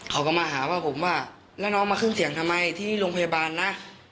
เขาก็มาหาว่าผมว่าแล้วน้องมาขึ้นเสียงทำไมที่โรงพยาบาลนะ